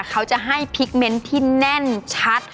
เขาจะให้พริกเมนต์ที่แน่นชัด